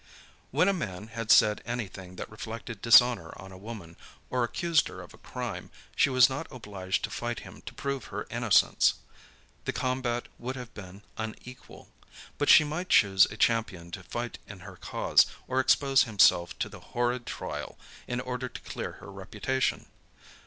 When a man had said any thing that reflected dishonor on a woman, or accused her of a crime, she was not obliged to fight him to prove her innocence: the combat would have been unequal. But she might choose a champion to fight in her cause, or expose himself to the horrid trial, in order to clear her reputation.